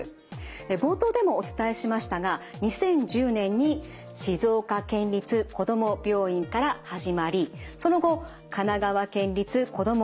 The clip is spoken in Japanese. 冒頭でもお伝えしましたが２０１０年に静岡県立こども病院から始まりその後神奈川県立こども